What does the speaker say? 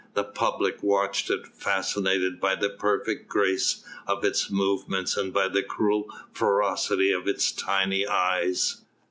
The public watched it, fascinated by the perfect grace of its movements and by the cruel ferocity of its tiny eyes.